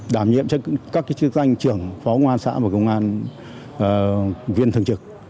đảm nhiệm các chức danh trưởng phó công an xã và công an viên thường trực